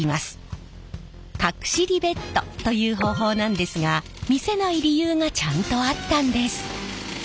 隠しリベットという方法なんですが見せない理由がちゃんとあったんです！